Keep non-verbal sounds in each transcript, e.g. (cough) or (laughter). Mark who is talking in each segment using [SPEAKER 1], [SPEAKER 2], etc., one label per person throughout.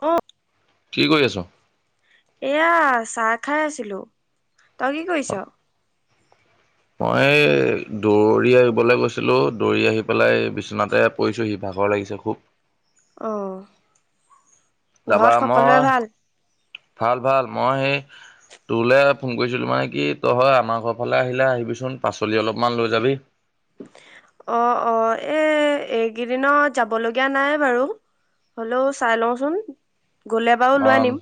[SPEAKER 1] অ',।
[SPEAKER 2] কি কৰি আছ।
[SPEAKER 1] এয়া, চাহ খাই আছিলো তই কি কৰিছ?
[SPEAKER 2] মই দৌৰি আহিবলৈ গৈছিলো দৌৰি আহি পেলাই বিছনাতে পৰিছো সি ভাত ভাগৰ লাগিছে খুব।
[SPEAKER 1] অ'।
[SPEAKER 2] যাবা
[SPEAKER 1] ঘৰত সকলোৰে
[SPEAKER 2] মই
[SPEAKER 1] ভাল
[SPEAKER 2] ভাল ভাল মই
[SPEAKER 1] (inaudible)
[SPEAKER 2] তোৰলে ফোন কৰিছিলো মানে কি তই আমাৰ ঘৰ ফালে আহিলে আহিবিচোন পাচলি অলপমান লৈ যাবি।
[SPEAKER 1] অ', অ', এ এইকেইদিনত যাব লগীয়া নাই বাৰু। হ'লেও চাই লওঁচোন গলে বাৰু লৈ
[SPEAKER 2] অ',
[SPEAKER 1] আনিম।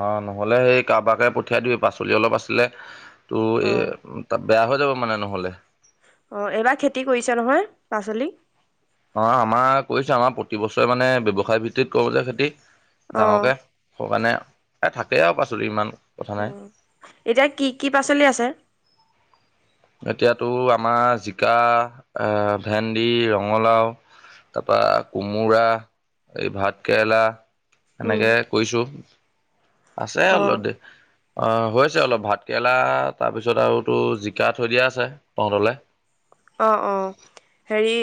[SPEAKER 2] অ', নহলে সেই কাৰোবাকে পঠিয়াই দিবি পাচলি অলপ আছিলে তোৰ
[SPEAKER 1] অ
[SPEAKER 2] এ তাত বেয়া হৈ যাব মানে নহলে।
[SPEAKER 1] অ', এইবাৰ খেতি কৰিছে নহয় পাচলি
[SPEAKER 2] অ', আমাৰ কৰিছে আমাৰ প্ৰতি বছৰে মানে ব্যৱসায় ভিত্তিত কৰিব যে খেতি
[SPEAKER 1] অ
[SPEAKER 2] ডাঙৰকে মানে এই থাকেই আৰু পাচলি ইমান কথা
[SPEAKER 1] অ',
[SPEAKER 2] নাই।
[SPEAKER 1] এতিয়া কি কি পাচলি আছে
[SPEAKER 2] এতিয়াতো আমাৰ জিকা এ ভেন্দি ৰঙালাও তাৰপৰা কোমোৰা এই ভাত কেৰেলা
[SPEAKER 1] উম
[SPEAKER 2] এনেকে কৈ আছে
[SPEAKER 1] অ
[SPEAKER 2] অলপ দে। অ', হৈছে অলপ ভাত কেৰেলা তাৰপিছত আৰু তোৰ জিকা থৈ দিয়া আছে তহঁতেলে
[SPEAKER 1] অ', অ', হেৰি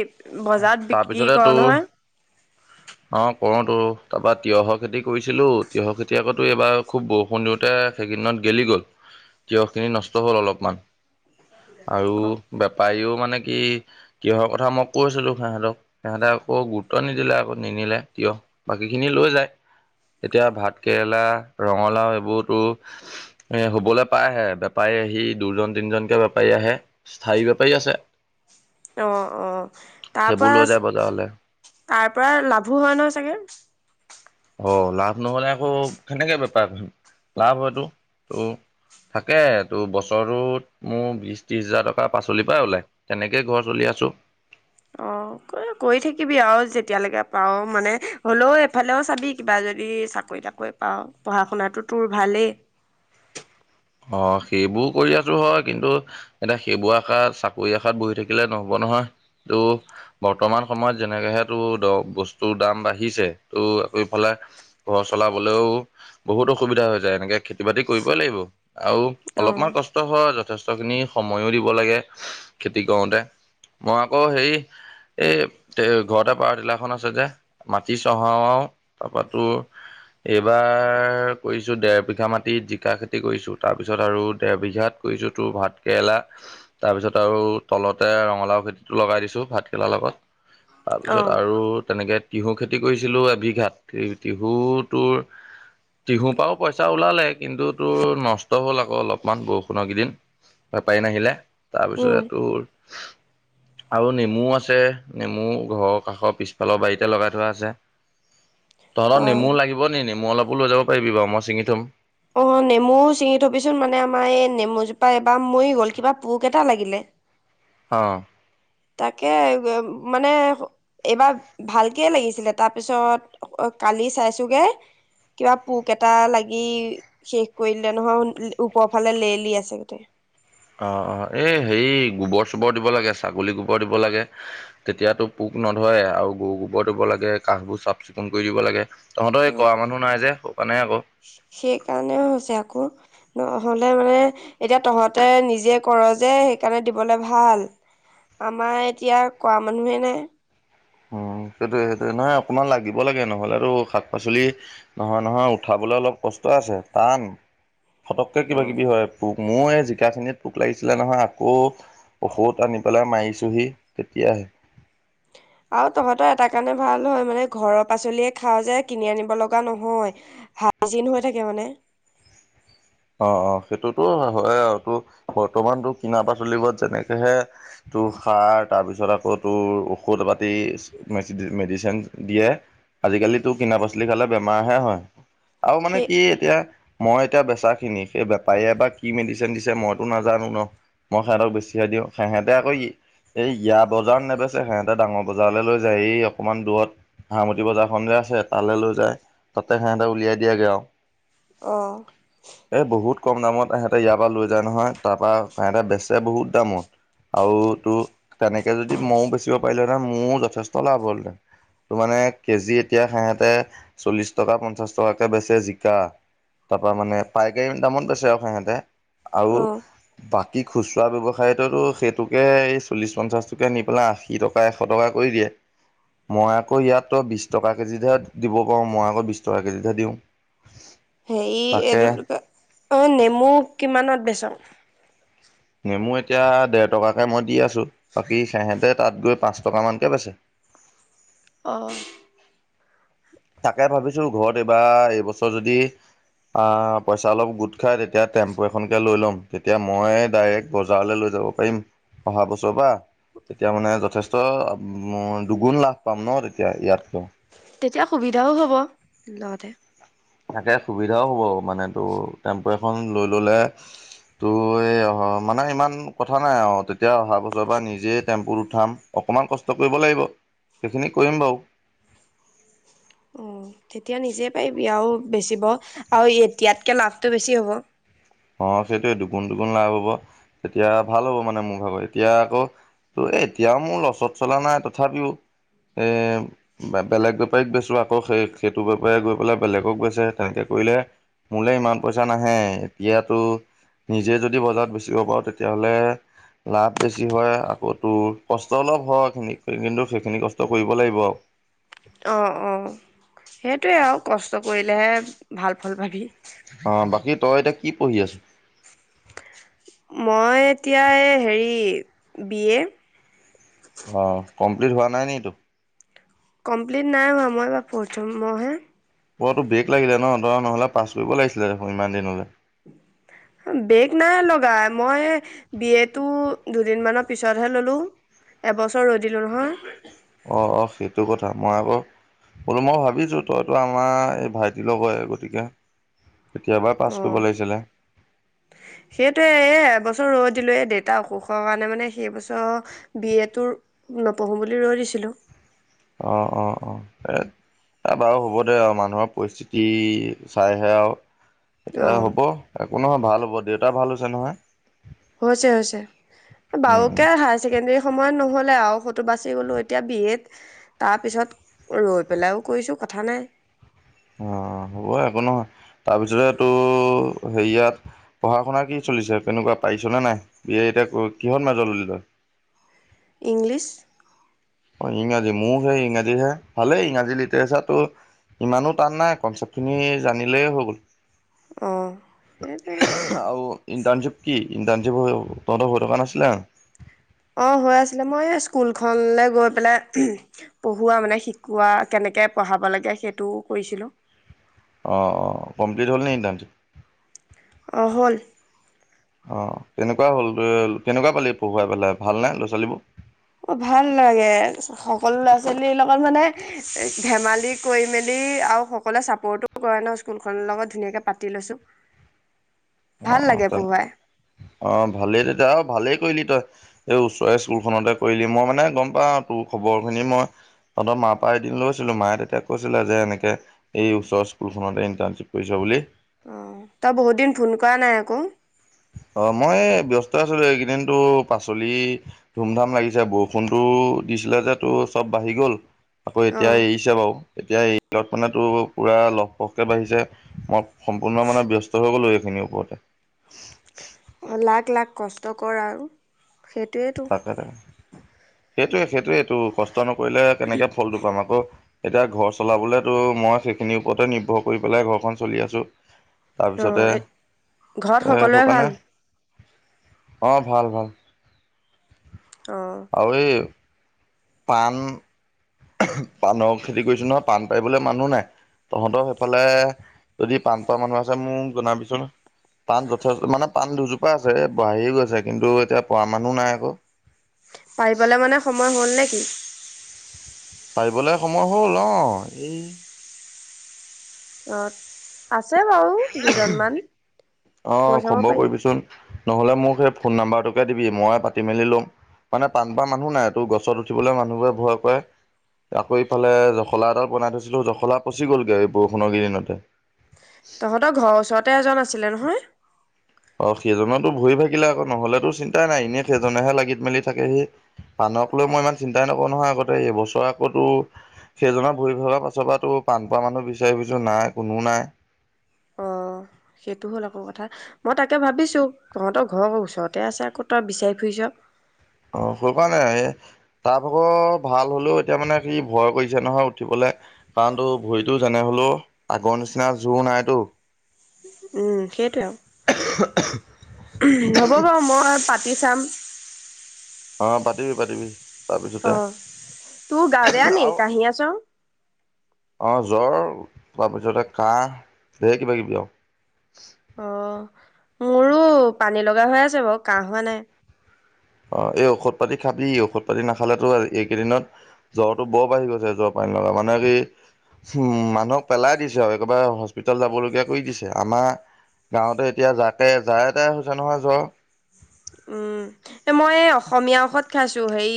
[SPEAKER 1] বজাৰত বিক্ৰী
[SPEAKER 2] তাৰপিছতে
[SPEAKER 1] কৰ
[SPEAKER 2] তোৰ
[SPEAKER 1] নহয়
[SPEAKER 2] অ', কৰো তো তাৰপৰা তিয়ঁহৰ খেতি কৰিছিলোঁ। তিয়ঁহৰ খেতি এইবাৰ সুব বৰষুণ দিওতে, হেই কেইদিনত গেলি গ'ল। তিয়হ খিনি নষ্ট হ'ল অলপমান। আৰু
[SPEAKER 1] অ
[SPEAKER 2] বেপাৰীও মানে কি কিহৰ কথা মোক, কৈছিলো সিহঁতক সিহঁতে আকৌ গুৰুত্ব নিদিলে, আকৌ নিনিলে কিয় বাকী খিনি লৈ যায়। এতিয়া ভাত কেৰেলা, ৰঙালাও এইবোৰতো হ'ব হে পাইহে বেপাৰী। সি দুজন তিনজনকে বেপাৰী আহে। স্থায়ী বেপাৰী আছে।
[SPEAKER 1] অ' অ'। তাৰ
[SPEAKER 2] সেইবোৰ লৈ
[SPEAKER 1] পৰা
[SPEAKER 2] যায় বজাৰলৈ
[SPEAKER 1] তাৰ পৰা লাভো হয় নহয় চাগে।
[SPEAKER 2] অ' লাভ নহ'লে, আকৌ কেনেকে বেপাৰ কৰিম লাভ হয়তটো তোৰ থাকে তো বছৰটোত মোৰ বিশ ত্ৰিশ হাজাৰ টকা পাচলিৰ পৰা ওলাই তেনেকে ঘৰ চলি আছে। আছো
[SPEAKER 1] অ' ক কৰি থাকিবি আৰু যেতিয়ালৈকে পাৰ মানে হ'লেও এফালেও চাবি কিবা যদি চাকৰি তাকৰি পাওঁ, পঢ়া শুনাটো তোৰ ভালেই।
[SPEAKER 2] অ' সেইবোৰ কৰি আছো হয়, কিন্তু এতিয়া সেইবোৰ আশাত চাকৰি আষাত বহি থাকিলে নহ'ব নহয়। তো বৰ্তমান সময়ত যেনেকে হে তোৰ বস্তুৰ দাম বাঢ়িছে তো। ফালে ঘৰ চলাবলৈও বহুত অসুবিধা হৈ যায়। এনেকে খেতি বাতি কৰিবই লাগিব। আৰু
[SPEAKER 1] অ
[SPEAKER 2] অলপমান কষ্ট হয়। যথেষ্ট খিনি সময়ো দিব লাগে খেতি কৰোতে। মই আকৌ হেই। এই এ ঘৰতে পাৰ তিলাখন আছে যে মাটি চহাও তাৰপৰা তোৰ, এইবাৰ কৰিছো ডেৰ বিঘা মাটিত জিকা খেতি কৰিছো। তাৰপিছত আৰু দেৰবিঘাত কৰিছো তোৰ ভাত কেৰেলা, তাৰপিছত আৰু তলতে ৰঙালাও। খেতিত লগাই দিছো ভাত কেৰেলাৰ লগত
[SPEAKER 1] অ
[SPEAKER 2] তাৰপিছত আৰু তেনেকে। টিহুৰ খেতি কৰিছিলোঁ এবিঘাট টিহুটোৰ তিহুৰ পৰাও পইচা ওলালে, কিন্তু তোৰ নষ্ট হ'ল আকৌ অলপমান বৰষুণৰ কেইদিন বেপাৰী নাহিলে,
[SPEAKER 1] উম
[SPEAKER 2] তাৰপিছত তোৰ আৰু নেমু আছে নেমু ঘৰৰ কাষৰ পিছফালৰ বাৰীতে লগাই থোৱা আছে।
[SPEAKER 1] (inaudible)
[SPEAKER 2] তহঁতৰ নেমু লাগিব নে? নেমু অলপো লৈ যাব পাৰিবি বাৰ মই ছিঙি থম।
[SPEAKER 1] অ, নেমু চিঙি থবিচোন। মানে আমাৰ এই নেমুজোপা এবাৰ মৰি গ'ল কিবা পোক এটা লাগিলে। (inaudible)
[SPEAKER 2] অ'।
[SPEAKER 1] তাকে, উ মানে। এইবাৰ ভালকে লাগিছিলে। তাৰপিছত কালি চাইছোগে। কিবা পোক এটা লাগি শেষ কৰি দিলে নহয়, ওপৰ ফালে লেৰেলি আছে গোটেই।
[SPEAKER 2] অ' অ' এই হেৰি গোবৰ চোবৰ দিব লাগে। ছাগলী গোবৰ দিব লাগে। তেতিয়াতো পোক নধৰে আৰু। গৰু গোবৰ দিব লাগে, কাষবোৰ চাফ চিকুণ কৰি দিব লাগে। তহঁতৰ এই কৰা মানুহ নাই যে, সেইটো কাৰণে আকৌ।
[SPEAKER 1] হ'লে মানে এতিয়া তহঁতে নিজে কৰ যে সেইকাৰণে দিবলে ভাল। আমাৰ এতিয়া কৰা মানুহে নাই।
[SPEAKER 2] উম, সেইটোয়ে সেইটো নহয় অকণমান লাগিব লাগে। নহ'লে আৰু শাক পাচলি নহয়- নহয় উঠাব। হ'বলৈ অলপ কষ্ট আছে। টান ফটককৈ
[SPEAKER 1] অ।
[SPEAKER 2] কিবা -কিবি হয়, পোক। মোৰ এই জিকা খিনিত পোক লাগিছিলে নহয়। আকৌ ঔষধ আনি পেলাই মাৰিছোহি তেতিয়া। উ।
[SPEAKER 1] আৰু তহঁতৰ এটা কাৰণে ভাল হয় মানে। ঘৰৰ পাচলিয়ে খাও যে কিনি আনিব লগা নহয় ভাই জিন হৈ থাকে মানে।
[SPEAKER 2] অ', অ' সেইটোতো হয় আৰু। তো বৰ্তমানতো কিনা পাচলিবোৰত যেনেকেহে তোৰ সাৰ তাৰপিছত আকৌ তোৰ ঔষধ পাতি মেডিচিন দিয়ে। আজিকালি কিনা পাচলি খালে বেমাৰহে হয়। আৰু মানে
[SPEAKER 1] সেই
[SPEAKER 2] কি এতিয়া মই এতিয়া বেচা খিনি সেই বেপাৰীয়ে এ বা কি মেডিচিন দিছে মইতো নাজানো ন। মই সিহঁতক বেছিহে দিওঁ। সিহঁতে আকৌ ই এই ইয়া বজাৰ নেবেচে। সিহঁতে ডাঙৰ বজাৰলৈ লৈ যায়। এই অকনমান দূৰত হামতি বজাৰ খন যে। আছে তালৈ লৈ যায়। তাতে সিহঁতে উলিয়াই দিয়াগে আৰু।
[SPEAKER 1] আহ।
[SPEAKER 2] এই বহুত কম দামত সিহতে ইয়াৰ পৰা লৈ যায় নহয়। তাৰ পৰা সহতে বেচে বহুত দামত। আৰু টো তেনেকে যদি মইও বেচিব পাৰিলোহেঁতেন মোৰও যথেষ্ট লাভ হ'লহেতেন। ত মানে কেজি এতিয়া সেহেঁতে চল্লিশ টকা পঞ্চাশ টকাকে বেচে জিকা। তাৰ পৰা মানে পাইকাৰী দামত বেচি আৰু। সিহতে আৰু
[SPEAKER 1] অ
[SPEAKER 2] বাকী কি খুচুৰা ব্যৱসায়টোতো সেইটোকে এই চল্লিশ পঞ্চাশ টোকে নি পেলাই আশী টকা এশ টকা কৰি দিয়ে। মই আকৌ ইয়াতো বিশ টকা কেজিতহে দিব পাৰোঁ। মই আকৌ বিশ টকা কেজিতহে দিওঁ।
[SPEAKER 1] হেৰি, এইটো
[SPEAKER 2] তাকে
[SPEAKER 1] অ, নেমু কিমানত বেচাম?
[SPEAKER 2] নেমু এতিয়া দেৰ টকাকে মই দি আছো। বাকী সেহেঁতে তাত গৈ পাঁচ টকা মানকে বেচে।
[SPEAKER 1] অ।
[SPEAKER 2] তাকে ভাবিছো ঘৰত এইবাৰ, এইবছৰ যদি, অ' পইচা অলপ গোট খাই তেতিয়া টেম্পু এখনকে লৈ ল'ম। তেতিয়া মই ডাইৰেক্ট বজাৰ লৈ যাম। যাব পাৰিম। অহা বছৰ পৰা। তেতিয়া মানে যথেষ্ট দুগুণ লাভ পাম ন। তেতিয়া ইয়াতকো।
[SPEAKER 1] তেতিয়া সুবিধাও হ'ব। লগতে
[SPEAKER 2] তাকে সুবিধাও হ'ব। মানে তটো টেম্পৰ এখন লৈ ললে, ত, ' এই অহ মানে ইমান কথা নাই। অ, তেতিয়া অহা বছৰ পৰা নিজে টেম্পুত উঠাম। অকণমান কষ্ট কৰিব লাগিব। সেইখিনি কৰিম বাৰু।
[SPEAKER 1] (inaudible) অ, তেতিয়া নিজেই পাৰি আৰু বেচিব। আৰু এতিয়াতকে লাভটো বেছি হ'ব।
[SPEAKER 2] অ, সেইটোৱে দুগুণ- দুগুণ লাভ হব। তেতিয়া ভাল হ'ব মানে মোৰ ভাগৰ এতিয়া আকৌ, ত' এ এতিয়াও মোৰ লচত চলা নাই। তথাপিও এ, বেলেগ বেপাৰীক বেচো আকৌ সেই সেইটো বেপাৰীয়ে গৈ পেলাই বেলেগক বেচে। তেনেকে কৰিলে। মোলৈ ইমান পইচা নাহে। এতিয়াতো নিজে যদি বজাৰত বেচিব পাৰো, তেতিয়াহ'লে লাভ বেছি হয়, আকৌ তোৰ কষ্ট অলপ হয়খিনি কিন্তু সেইখিনি কষ্ট কৰিব লাগিব।
[SPEAKER 1] অ', অ' সেইটোৱে আৰু কষ্ট কৰিলেহে ভাল ফল পাবি।
[SPEAKER 2] অ' বাকী তই এতিয়া কি পঢ়ি আছ।
[SPEAKER 1] মই এতিয়া হেৰি বি এ
[SPEAKER 2] অ' কমপ্লিট হোৱা নাই নি এইটো
[SPEAKER 1] কমপ্লিট নাই হোৱা। মই বাৰ পঢ়ম মইহে
[SPEAKER 2] পোৱাটো বেগ লাগিলে ন দৰা নহলে পাছ কৰিব লাগিছিলে। দেখোন ইমান দিন হলে
[SPEAKER 1] বেগ নাই লগাই মই বিয়টো দুদিন মৰ পিছতহে ললো এবছৰ ৰৈ দিলো নহয়
[SPEAKER 2] অ', অ' সেইটো কথা মই আকৌ বোলো মই ভাবিছো তইতো আমাৰ এই ভাইটিৰ লগ হৈ গতিকে কেতিয়াবাই পাছ
[SPEAKER 1] অ,
[SPEAKER 2] কৰিব লাগিছিলে
[SPEAKER 1] সেইটোৱে এ এবছৰ ৰদ দিলোয় দেট এটা অসুখৰ কাৰণে মানে সেই বছৰ বি এটো নপঢ়োঁ বুলি ৰৈ দিছিলোঁ।
[SPEAKER 2] অ', অ', অ'। ত, বাৰু হ'ব দে আৰু মানুহৰ পৰিস্থিতি চাইহে আৰু। এতিয়া
[SPEAKER 1] অ',
[SPEAKER 2] হ'ব একো নহয় ভাল হ'ব দেউতা ভাল হৈছে নহয়?
[SPEAKER 1] হৈছে হৈছে,
[SPEAKER 2] উম উম
[SPEAKER 1] বাৰুকে হায়াৰ ছেকেণ্ডৰী সময়ত নহ'ল আৰু সটো বাচি গ'লো এতিয়া বিয়েত তাৰপিছত ৰৈ পেলাইও কৰিছোঁ কথা নাই। (inaudible)
[SPEAKER 2] অ, হ'ব একো নহয়, তাৰপিছতে টো হে ইয়াত পঢ়া শুনা কি চলিছে তেনেকুৱা পাৰিছনে নাই, বি এতিয়া কিহত মোজত লল তই?
[SPEAKER 1] ইংলিছ
[SPEAKER 2] ইংৰাজী মোৰ সেই ইংৰাজীহে ভালেই ইংৰাজী লিটাৰেচাৰটো ইমানো টান নাই কনচেপ্ট খিনি জানিলেই হৈ গ'ল
[SPEAKER 1] অঁ সেইটোৱে
[SPEAKER 2] আৰু ইণ্টাৰনশিপ কি ইঞজী তহঁতৰ ঘৰকা ন আছিলে?
[SPEAKER 1] অ' হৈ আছিলে মই স্কুলখনলে গৈ পেলাই পঢ়োৱা মানে শিকোৱা কেনেকে এনেকে পঢ়াব লাগে সেইটোও কৰিছিলোঁ।
[SPEAKER 2] অ', অ', কমপ্লিট হ'ল ইনটো
[SPEAKER 1] অ' হ'ল।
[SPEAKER 2] অ, কেনেকুৱা হ'ল, কেনেকুৱা পালি পঢ়ৱাই পেলাই ভাল নে ল'ৰা ছোৱালীবোৰ?
[SPEAKER 1] অ, ভাল লাগে, সকলো ল'ৰা ছোৱালীৰ লগত মানে ধেমালি কৰি মেলি আৰু সকলোৱে চাপৰ্টোও কৰে ন' স্কুল খনৰ লগত ধুনীয়াকে পাতি লৈছো।
[SPEAKER 2] অ', অ', ভালেই তেতিয়া আৰু ভালেই কৰিলি তই এই ওচৰৰে স্কুলখনতে কৰিলি মই মানে গম পাওঁ তোৰ খবৰ খিনি মই তহতৰ মাৰ পৰা এদিন লৈছিলো, মায়ে তেতিয়া কৈছিলে যে এনেকে এই ওচৰ স্কুলখনতে ইণ্টাৰ্নশ্বিপ কৰিছ বুলি।
[SPEAKER 1] অ, তই বহুত দিন ফোন কৰা নাই আকৌ।
[SPEAKER 2] অ, মই ব্যস্ত আছিলো এইকেইদিনটোৰ পাচলি ধুম ধাম লাগিছে বৰষুণতো ত, দিছিলে যে তোৰ চব বাঢ়ি গ'ল আকৌ
[SPEAKER 1] অ
[SPEAKER 2] এতিয়া এৰিছে বাৰু, এতিয়া এৰিত মানে তো পুৰা লহপহকে বাঢ়িছে মই সম্পূৰ্ণ মানে ব্যস্ত হৈ গ'লোঁ এইখিনিৰ ওপৰতে।
[SPEAKER 1] লাক লাক কষ্টকৰ আৰু, সেইটোৱেইেতো।
[SPEAKER 2] তাকে তাকে সেইটোৱে সেইটোৱেইটো কষ্ট নকৰিলে কেনেকে ফলটো পাম আকৌ এতিয়া ঘৰ চলাবলেতো মই সেইখিনিৰ ওপৰতে নিৰ্ভৰ কৰি পেলাই ঘৰখন চলি আছো।
[SPEAKER 1] অ ঘৰত
[SPEAKER 2] তাৰপিছতে
[SPEAKER 1] সকলোৰে ভাল
[SPEAKER 2] সকণে অ' ভাল ভাল।
[SPEAKER 1] অ
[SPEAKER 2] আৰু এ পান পাণৰ খেতি কৰিছো নহয়, পাণ পাৰিবলৈ মানুহ নাই। তহঁতৰ সেইফালে যদি পান পৰা মানুহ আছে মোক জনাবিচোন। পাণ যথেষ্ট মানে পাণ দুজোপা আছে এ বাঢ়ি গৈছে, কিন্তু এতিয়া পৰা মানুহ নাই আকৌ।
[SPEAKER 1] পাৰিবলৈ মানে সময় হ'ল নে কি?
[SPEAKER 2] পাৰিবলৈ সময় হ'ল অ' এই।
[SPEAKER 1] অ' আছে বাৰু দুজনমান,
[SPEAKER 2] অ
[SPEAKER 1] কৈ চাব
[SPEAKER 2] খবৰ
[SPEAKER 1] পাৰি।
[SPEAKER 2] কৰিবিচোন নহ'লে মোক সেই ফোন নাম্বাৰটোকে দিবি মই পাতি মেলি ল'ম। মানে পানপা মানুহ নাই টোৰ গছত উঠিবলৈ মানুহবোৰে ভয় কৰে। আকৌ ইফালে জখলা এটা বনাই থৈছিলো, জখলা পচি গ'লগে এই বৰষুণৰ কেদিনতে।
[SPEAKER 1] তহঁতৰ ঘৰৰ ওচৰতে এজন আছিলে নহয়।
[SPEAKER 2] অ' সেজনৰটো ভৰি ভাগিলে আকৌ নহলেতো চিন্তাই নাই এনেই সেইজনেহে লাগিত মেলি থাকে হি পা মানুহক লৈ মই ইমান চিন্তাই নকৰো নহয় আগতে এইবছৰ আকৌ তো সেইজনৰ ভৰি ভগা পাছৰ পৰা তো পাণপৰা মানুহ বিচাৰি ফুৰিছোঁ নাই কোনো নাই।
[SPEAKER 1] অ'। সেইটো হ'ল আকৌ কথা, মই তাকে ভাবিছো তহঁতৰ ঘৰ ওচৰতে আছে আকৌ তই বিচি ফুৰিছ।
[SPEAKER 2] অ' স পোৱা নাই, তাৰ ভাগৰ ভাল হলেও এতিয়া মানে কি ভয় কৰিছে নহয় উঠিবলৈ। কাৰণ তো ভৰিতো যেনে হলেও আগৰ নিচিনা জোৰ নাইতো
[SPEAKER 1] উম সেইটোয়ে আৰু হব বাৰু মই পা পাতিছাম।
[SPEAKER 2] অ' পাতিবি পাতিবি
[SPEAKER 1] অ
[SPEAKER 2] তাৰপিছতে
[SPEAKER 1] তোৰ গাব ন
[SPEAKER 2] আৰু
[SPEAKER 1] কাহ আছ
[SPEAKER 2] অ' জ্বৰ তাৰপিছতে কাহ ঢেৰ কিবা কিবি আৰু।
[SPEAKER 1] অ' মোৰো পানী লগা হৈ আছে বাৰু কাহ হোৱা নাই।
[SPEAKER 2] অ' এই ঔষধ পাতি খাবি, ঔষধ পাতি নাখালেতো এইকেইদিনত জ্বৰতো বৰ বাঢ়ি গৈছে জ্বৰ পান ফেন লগাব নেকি? উ, মানুহক পেলাই দিছে আৰু একেবাৰে হস্পিতাল যাবলগীয়া কৰি দিছে, আমাৰ গাঁৱতে এতিয়া যাকে যায় তাই হৈছে নহয় জ্বৰ।
[SPEAKER 1] উম, এ মই অসমীয়া ঔষধ খাইছো হেই,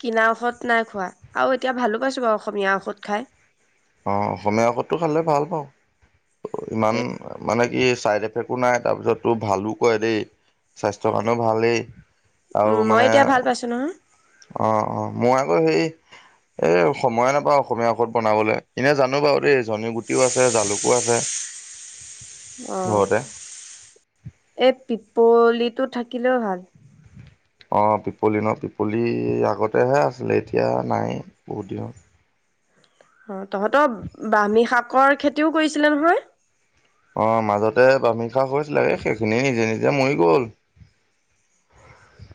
[SPEAKER 1] কিনা ঔষধ নাই খোৱা। আৰু এতিয়া ভালো পাইছো বাৰু অসমীয়া ঔষধ খাই।
[SPEAKER 2] অ' অসমীয়া ঔষদটো খালে ভাল পাওঁ, ইমান
[SPEAKER 1] ধেত,
[SPEAKER 2] মানে কি চাইড এফেকো নাই তাৰপিছতো ভালো কৰে দেই স্বাস্থ্যৰ কাৰণেও ভাল দেই। আৰু
[SPEAKER 1] উম, মই
[SPEAKER 2] মানে
[SPEAKER 1] এতিয়া ভাল পাইছো নহয়।
[SPEAKER 2] অ', অ' মই আকৌ সেই এ সময়ে নাপাওঁ অসমীয়া ঔষধ বনাবলৈ এনে জানো বাৰু দেই ধনী গুটিও আছে জালুকো আছে।
[SPEAKER 1] অ'
[SPEAKER 2] ঘৰতে
[SPEAKER 1] এ পি পলিটো থাকিলেও ভাল।
[SPEAKER 2] অ' পিপলি ন পিপলি আগতেহে আছিলে এতিয়া নাই বহুত দনৰত।
[SPEAKER 1] অ' তহঁতৰ বামী শাকৰ খেতিও কৰিছিলে নহয়।
[SPEAKER 2] অ' মাজতে বামি খা হৈছিলে সেইখিনি নিজে নিজে মৰি গল।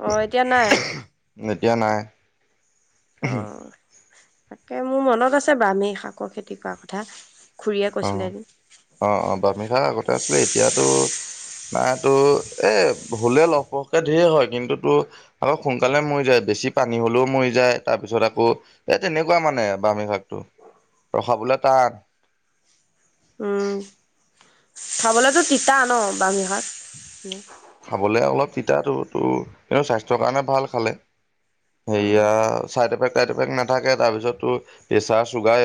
[SPEAKER 1] আহ এতিয়া নাই
[SPEAKER 2] এতিয়া নাই
[SPEAKER 1] অ' তাকে মোৰ মনত আছে বামি শাকৰ খেতি কৰাৰ কথা। খুৰীয়ে কৈছিলে
[SPEAKER 2] অ',
[SPEAKER 1] এদিন
[SPEAKER 2] অ', অ' বামি শাক আগতে আছিলে এতিয়াতো নাই তো এ ভুলে লহ পহকে ধেৰ হয় কিন্তু তো আকৌ সোনকালে মৰি যায়। বেছি পানী হলেও মৰি যায় তাৰ পিছত আকৌ এ তেনেকুৱা মানে বামি শাকটো। ৰখাবলৈ টান।
[SPEAKER 1] উম খাবলেতো তিতা ন বামি শাত।
[SPEAKER 2] খাবলে অলপ তিতাটো ত স্বাস্থ্যৰ কাৰণে ভাল খালে।
[SPEAKER 1] অ'।
[SPEAKER 2] সেয়া চাইড এফেক্ট টাইড এফেক্ট নাথাকে তাৰপিছতো প্ৰেচাৰ চুগাৰ।